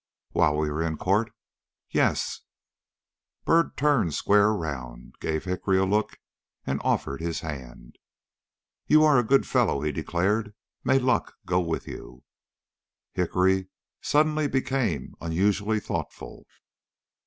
"While we are in court?" "Yes." Byrd turned square around, gave Hickory a look and offered his hand. "You are a good fellow," he declared, "May luck go with you." Hickory suddenly became unusually thoughtful.